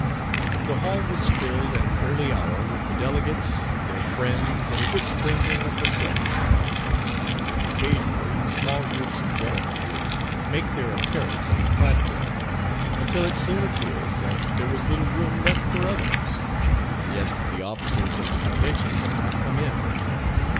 The hall was filled at an early hour with the delegates, their friends, and a good sprinkling of the French. Occasionally, small groups of gentlemen would make their appearance on the platform, until it soon appeared that there was little room left for others; and yet the officers of the Convention had not come in.